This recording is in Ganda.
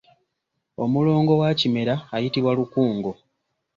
Omulongo wa Kimera ayitibwa Lukungo.